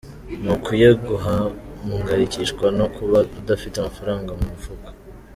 Ntukwiye guhangayikishwa no kuba udafite amafaranga mu mufuka.